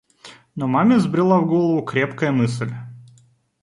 Но маме взбрела в голову крепкая мысль.